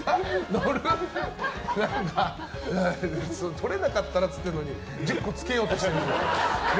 とれなかったらって言ってるのに１０個つけようとしているんだよ。